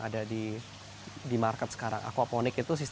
ada di di market sekarang akuaponik itu sistem